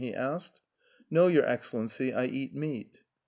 " he asked. " No, your Excellency, I eat meat."